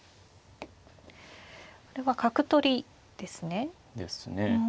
これは角取りですね。ですね。